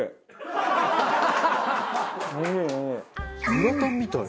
グラタンみたい。